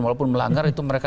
walaupun melanggar itu mereka